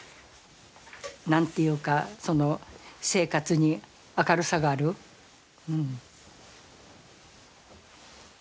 何て言うかその生活に明るさがあるうん。